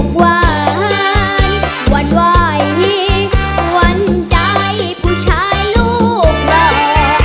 อกวานวันวายวันใจผู้ชายลูกหล่อ